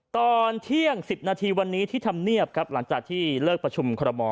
ตอนเที่ยง๑๐นาทีวันนี้ที่ทำเนียบครับหลังจากที่เลิกประชุมคอรมอล